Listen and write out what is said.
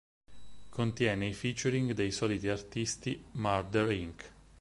Contiene i featuring dei soliti artisti Murder Inc.